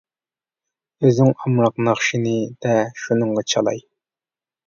-ئۆزۈڭ ئامراق ناخشىنى دە، شۇنىڭغا چالاي.